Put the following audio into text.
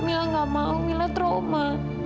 mila gak mau mila trauma